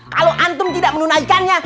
kalau antum tidak menunaikannya